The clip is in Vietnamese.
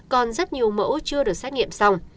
còn rất nhiều mẫu chưa được xét nghiệm xong